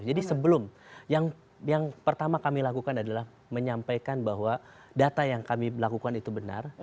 jadi sebelum yang pertama kami lakukan adalah menyampaikan bahwa data yang kami lakukan itu benar